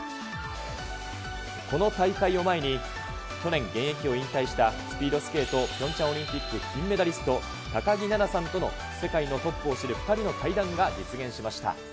この大会を前に、去年、現役を引退したスピードスケート、ピョンチャンオリンピック金メダリスト、高木菜那さんとの世界のトップを知る２人の対談が実現しました。